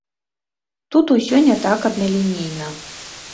Тут ўсё не так адналінейна.